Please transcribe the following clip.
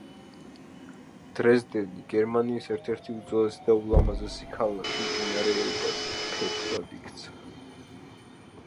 დრეზდენი, გერმანიის ერთ-ერთი უძველესი და ულამაზესი ქალაქი მდინარე ელბაზე, ფერფლად იქცა.